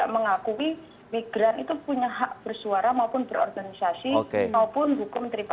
maupun hukum tripasit